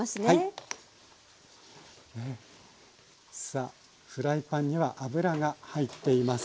さあフライパンには油が入っています。